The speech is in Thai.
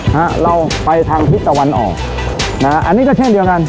ฮะเราไปทางทิศตะวันออกนะฮะอันนี้ก็เช่นเดียวกัน